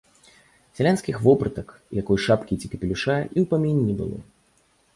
Сялянскіх вопратак, якой шапкі ці капелюша і ў паміне не было.